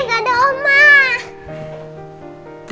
asyik ada oma